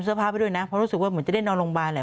เสื้อพาบ้างด้วยนะเพราะรู้สึกว่ามันจะได้นอนโรงพยาบาลเลย